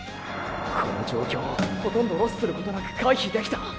この状況をほとんどロスすることなく回避できた。